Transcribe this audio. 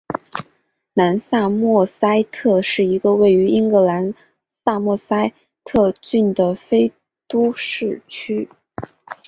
南萨默塞特是一个位于英格兰萨默塞特郡的非都市区。